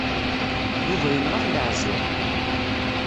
Yuba yenɣa-t leɛziṛ.